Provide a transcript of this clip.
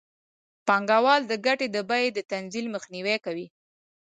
پانګوال د ګټې د بیې د تنزل مخنیوی کوي